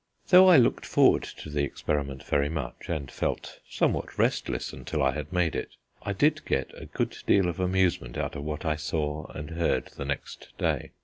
Though I looked forward to the experiment very much, and felt somewhat restless until I had made it, I did get a good deal of amusement out of what I saw and heard the next day.